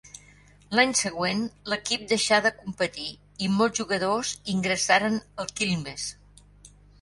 L'any següent l'equip deixà de competir, i molts jugadors ingressaren al Quilmes.